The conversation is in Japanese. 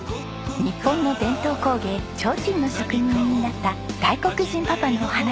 日本の伝統工芸提灯の職人になった外国人パパのお話。